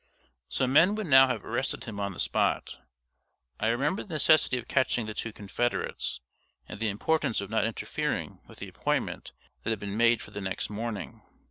Some men would now have arrested him on the spot. I remembered the necessity of catching the two confederates, and the importance of not interfering with the appointment that had been made for the next morning.